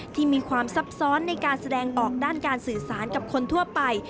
ที่มีความซับซ้อนในการแสดงออกด้านการสื่อสารกับคนทั่วไป